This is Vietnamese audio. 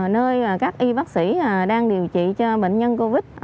nơi các y bác sĩ đang điều trị cho bệnh nhân covid